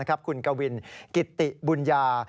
คุณกวินกิติบุญญา